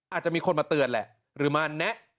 อาจจะมีคนมาเตือนแหละหรือมาแนะ